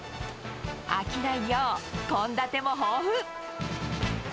飽きないよう、献立も豊富。